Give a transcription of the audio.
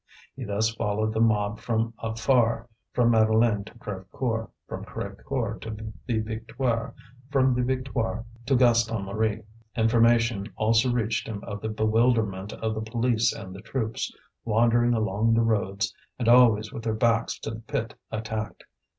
He thus followed the mob from afar, from Madeleine to Crévecoeur, from Crévecoeur to the Victoire, from the Victoire to Gaston Marie. Information also reached him of the bewilderment of the police and the troops, wandering along the roads, and always with their backs to the pit attacked.